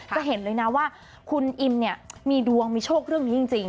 จะเห็นเลยนะว่าคุณอิมเนี่ยมีดวงมีโชคเรื่องนี้จริง